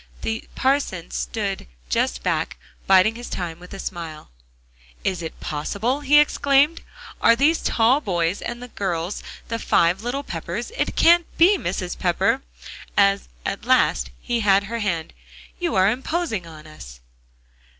The parson stood just back, biding his time with a smile. "Is it possible?" he exclaimed; "are these tall boys and girls the five little Peppers? It can't be, Mrs. Pepper," as at last he had her hand. "You are imposing on us."